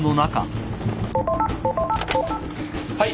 ☎はい。